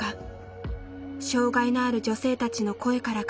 障害のある女性たちの声から考える特集。